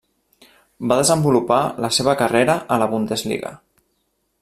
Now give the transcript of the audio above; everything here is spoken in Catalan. Va desenvolupar la seva carrera a la Bundesliga.